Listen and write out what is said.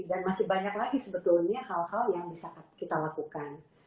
dan masih banyak lagi sebetulnya hal hal yang bisa kita lakukan